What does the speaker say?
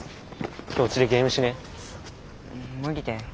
今日うちでゲームしねえ？